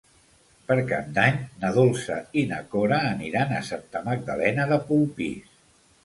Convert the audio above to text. Per Cap d'Any na Dolça i na Cora aniran a Santa Magdalena de Polpís.